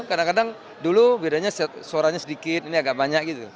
kadang kadang dulu bedanya suaranya sedikit ini agak banyak gitu